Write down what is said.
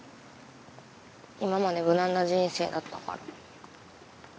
今まで無難な人生だったから。